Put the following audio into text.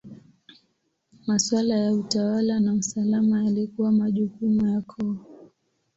Maswala ya utawala na usalama yalikuwa majukumu ya koo.